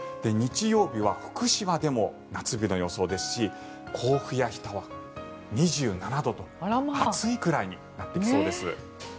日曜日は福島でも夏日の予想ですし甲府や日田は２７度と暑いくらいになっていきそうです。